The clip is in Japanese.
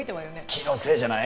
気のせいじゃない？